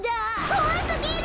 こわすぎる！